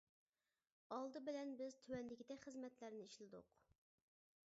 ئالدى بىلەن بىز تۆۋەندىكىدەك خىزمەتلەرنى ئىشلىدۇق.